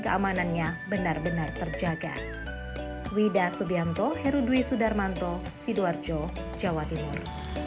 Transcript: keamanannya benar benar terjaga wida subianto herudwi sudarmanto sidoarjo jawa timur